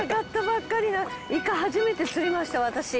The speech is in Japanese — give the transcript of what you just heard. イカ初めて釣りました私。